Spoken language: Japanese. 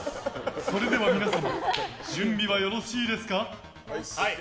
それでは皆様準備はよろしいですか？